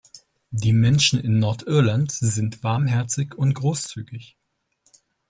Die Menschen in Nordirland sind warmherzig und großzügig.